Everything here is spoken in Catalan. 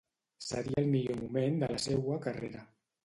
Seria el millor moment de la seua carrera.